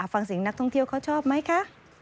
ฟังเสียงนักท่องเที่ยวเขาชอบไหมคะ